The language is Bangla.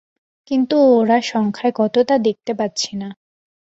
কিন্তু ওরা সংখ্যায় কত তা দেখতে পাচ্ছি না।